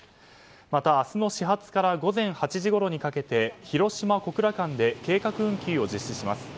また、明日の始発から午前８時ごろにかけて広島小倉間で計画運休を実施します。